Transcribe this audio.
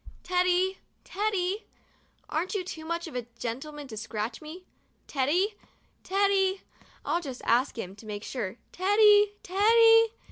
Teddy ! Teddy ! Aren't you too much of a gentleman to scratch me? Teddy! Teddy! I'll just ask him, to make sure! Teddy! Teddy!